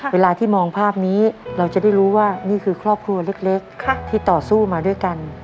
เวลาที่มองภาพนี้เราจะได้รู้ว่านี่คือครอบครัวเล็กที่ต่อสู้มาด้วยกัน